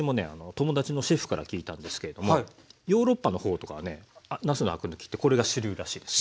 友達のシェフから聞いたんですけれどもヨーロッパの方とかはねなすのアク抜きってこれが主流らしいですよ。